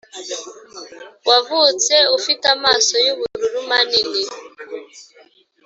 wavutse ufite amaso yubururu manini,